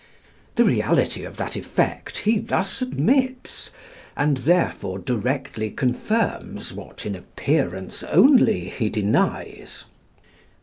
The reality of that effect he thus admits, and, therefore, directly confirms what in appearance only he denies.